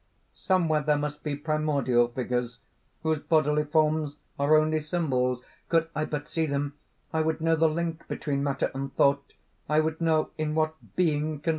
"Somewhere there must be primordial figures, whose bodily forms are only symbols. Could I but see them, I would know the link between matter and thought; I would know in what Being consists.